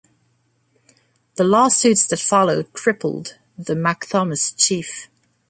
The lawsuits that followed crippled the MacThomas chief.